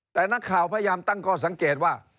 แต่นักข่าวพยายามตั้งข้อสังเกตว่า